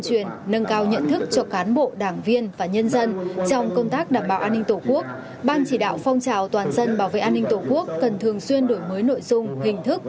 truyền nâng cao nhận thức cho cán bộ đảng viên và nhân dân trong công tác đảm bảo an ninh tổ quốc